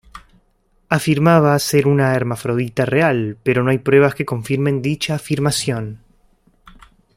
Afirmaba ser una hermafrodita real pero no hay pruebas que confirmen dicha afirmación.